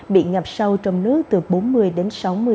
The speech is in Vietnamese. bị ngập sâu trong nước từ bốn mươi đến sáu mươi